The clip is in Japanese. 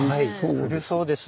古そうです。